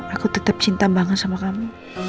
aku tetap cinta banget sama kamu